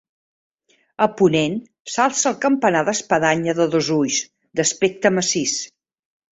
A ponent s'alça el campanar d'espadanya de dos ulls, d'aspecte massís.